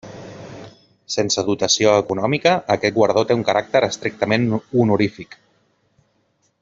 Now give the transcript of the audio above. Sense dotació econòmica aquest guardó té un caràcter estrictament honorífic.